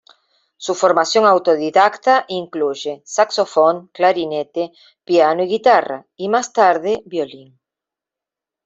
Su formación autodidacta incluye saxofón, clarinete, piano y guitarra, y más tarde violín.